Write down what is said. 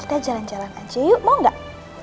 kita jalan jalan aja yuk mau gak